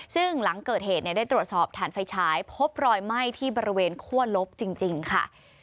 ซึ่งหลังเกิดเหตุได้ตรวจสอบฐานไฟฉายพบรอยไหม้ที่บริเวณคั่วลบจริงค่ะ